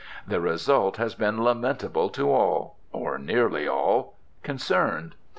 The result has been lamentable to all or nearly all concerned.